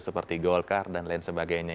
seperti golkar dan lain sebagainya